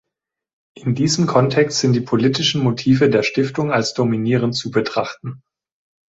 In diesem Kontext sind die politischen Motive der Stiftung als dominierend zu betrachten.